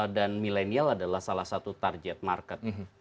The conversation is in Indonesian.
dan milenial adalah salah satu target market